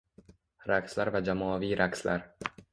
Raqslar va jamoaviy raqslar